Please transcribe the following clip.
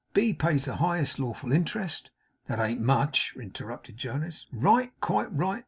B pays the highest lawful interest ' 'That an't much,' interrupted Jonas. 'Right! quite right!